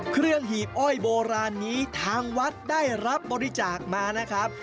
หีบอ้อยโบราณนี้ทางวัดได้รับบริจาคมานะครับ